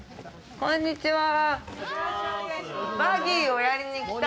こんにちは。